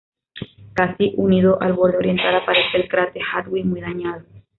Casi unido al borde oriental aparece el cráter Hartwig, muy dañado.